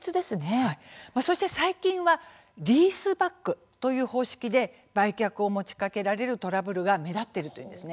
そして最近はリースバックという方式で売却を持ちかけられるトラブルが目立っているといいます。